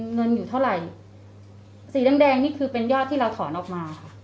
เงินอยู่เท่าไหร่สีแดงแดงนี่คือเป็นยอดที่เราถอนออกมาค่ะ